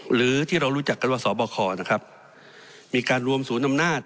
หรือที่เรารู้จักกันว่าสบคนะครับมีการรวมศูนย์อำนาจ